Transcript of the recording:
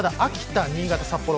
秋田、新潟、札幌